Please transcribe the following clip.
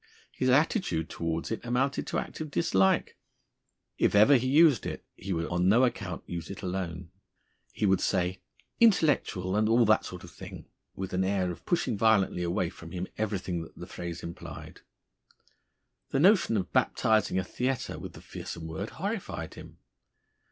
His attitude towards it amounted to active dislike. If ever he used it, he would on no account use it alone; he would say, "Intellectual, and all that sort of thing!" with an air of pushing violently away from him everything that the phrase implied. The notion of baptising a theatre with the fearsome word horrified him.